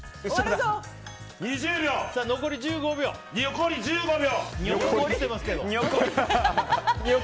残り１５秒！